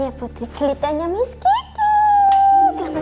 kabarin kalau gak apa apa